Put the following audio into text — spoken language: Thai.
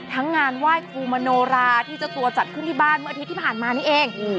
งานไหว้ครูมโนราที่เจ้าตัวจัดขึ้นที่บ้านเมื่ออาทิตย์ที่ผ่านมานี่เอง